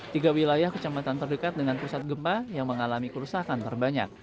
tiga wilayah kecamatan terdekat dengan pusat gempa yang mengalami kerusakan terbanyak